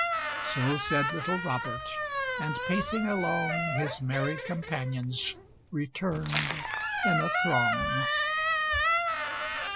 So said little Robert, and pacing along, His merry Companions return'd in a throng.